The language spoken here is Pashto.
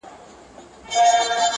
هغه په ټلیفون کي راته وویل